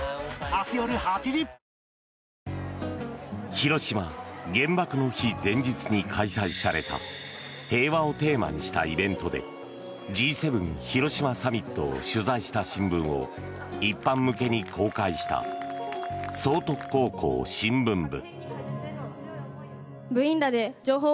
広島原爆の日前日に開催された平和をテーマにしたイベントでＧ７広島サミットを取材した新聞を一般向けに公開した崇徳高校新聞部。